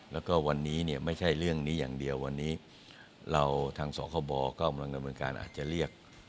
แล้วก็วันนี้เนี่ยไม่ใช่เรื่องนี้อย่างเดียววันนี้เราทางสคบก็กำลังดำเนินการอาจจะเรียก